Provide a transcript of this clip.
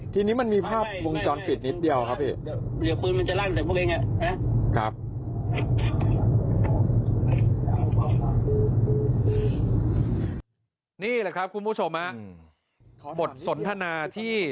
ทีนี้มันมีภาพวงจรปิดนิดเดียวครับพี่